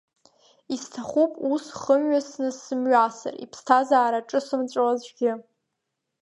Исҭахуп ус хымҩасны сымҩасыр, иԥсҭазаара ҿысымҵәо аӡәгьы.